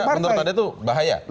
dan menurut anda itu bahaya